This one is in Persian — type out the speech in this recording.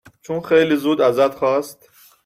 چون خیلی زود ازت خواست